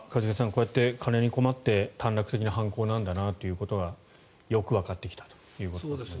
こうやって金に困って短絡的な犯行なんだなということがよくわかってきたということですね。